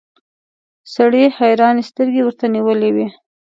سړي حيرانې سترګې ورته نيولې وې.